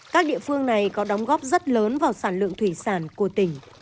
các địa phương này có đóng góp rất lớn vào sản lượng thủy sản của tỉnh